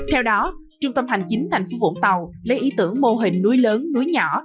theo đó trung tâm hành chính tp vũng tàu lấy ý tưởng mô hình núi lớn núi nhỏ